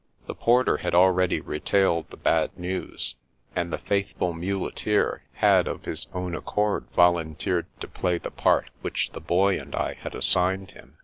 The porter had already retailed the bad news, and the faithful muleteer had of his own accord vol unteered to play the part which the Boy and I had assigned him.